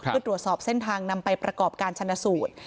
เพื่อตรวจสอบเส้นทางนำไปประกอบการชนะสูตร